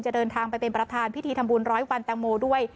จะเดินทางไปเป็นประธานพิธีธรรมบุญ๑๐๐วันเต้งโมด้วย